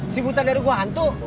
si buta dari gua hantu